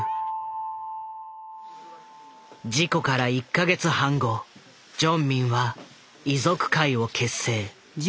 事故から１か月半後ジョンミンは遺族会を結成。